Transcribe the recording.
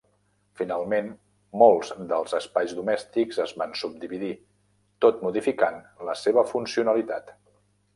Finalment molts dels espais domèstics es van subdividir, tot modificant la seva funcionalitat.